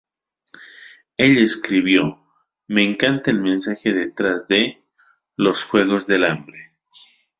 Ella escribió: "Me encanta el mensaje de tras de "Los Juegos del Hambre".